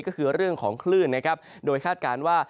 ก็คือเรื่องของคลื่นนะครับโดยคาดการณ์ว่า